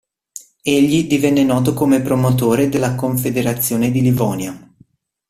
Egli divenne noto come promotore della Confederazione di Livonia.